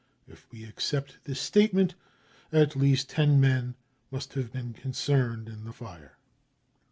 If we accept this statement, at least ten men must have been concerned in the fire.